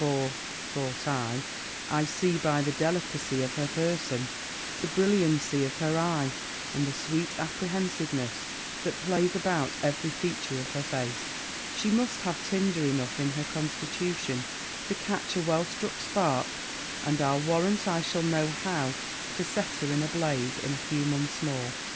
'For,' thought I, 'I see by the delicacy of her person, the brilliancy of her eye, and the sweet apprehensiveness that plays about every feature of her face, she must have tinder enough in her constitution, to catch a well struck spark; and I'll warrant I shall know how to set her in a blaze, in a few months more.'